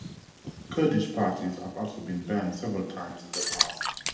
Kurdish parties have also been banned several times in the past.